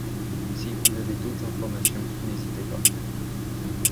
Si vous avez d'autres informations, n'hésitez pas...